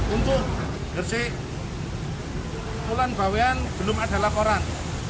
untuk gresik pulan bawian belum ada laporan